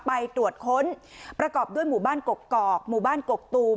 ไปตรวจค้นประกอบด้วยหมู่บ้านกกอกหมู่บ้านกกตูม